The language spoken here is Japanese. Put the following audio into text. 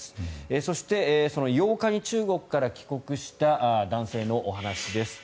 そして、その８日に中国から帰国した男性のお話です。